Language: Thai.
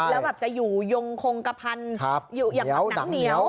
แล้วแบบจะอยู่ยงคงกระพันอย่างหนังเหนียว